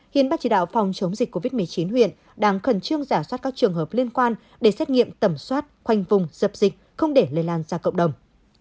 hiện ban chỉ đạo phòng chống dịch covid một mươi chín huyện đang khẩn trương giả soát các trường hợp liên quan để xét nghiệm tẩm soát khoanh vùng dập dịch không để lây lan ra cộng đồng